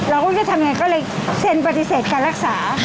เราก็จะทำไงก็เลยเซ็นปฏิเสธการรักษา